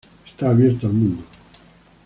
Está abierto al mundo.